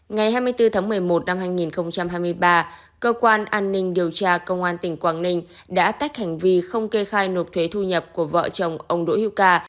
ngày hai mươi bốn tháng một mươi một năm hai nghìn hai mươi ba cơ quan an ninh điều tra công an tỉnh quảng ninh đã tách hành vi không kê khai nộp thuế thu nhập của vợ chồng ông đỗ hiễu ca